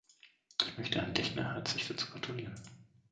Ich möchte Herrn Lechner herzlich dazu gratulieren.